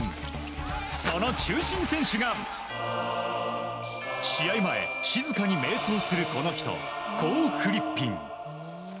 その中心選手が試合前静かにめい想するこの人コー・フリッピン。